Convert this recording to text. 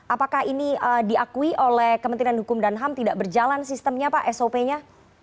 apakah ini diakui oleh kementerian hukum dan ham tidak berjalan sistemnya pak sop nya